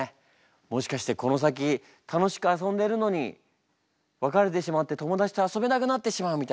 もしかしてこの先楽しく遊んでるのに別れてしまって友達と遊べなくなってしまうみたいな。